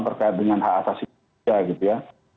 terkait dengan hak asasi manusia gitu ya